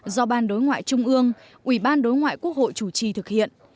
do ban đối ngoại trung ương ủy ban đối ngoại quốc hội chủ trì thực hiện